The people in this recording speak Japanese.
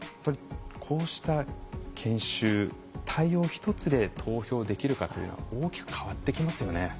こうした研修対応一つで投票できるかというのは大きく変わってきますよね。